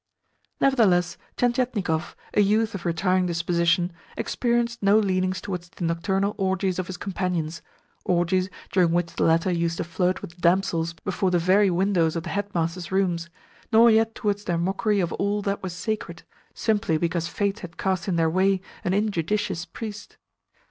Nevertheless Tientietnikov, a youth of retiring disposition, experienced no leanings towards the nocturnal orgies of his companions, orgies during which the latter used to flirt with damsels before the very windows of the headmaster's rooms, nor yet towards their mockery of all that was sacred, simply because fate had cast in their way an injudicious priest.